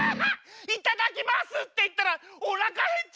「いただきます」っていったらおなかへっちゃった。